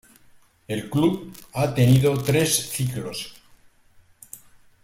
El club ha tenido tres ciclos.